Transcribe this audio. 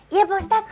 iya pak mustaq